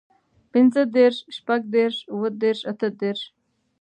پينځهدېرش، شپږدېرش، اووهدېرش، اتهدېرش